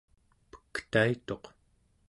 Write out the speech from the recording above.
pektaituq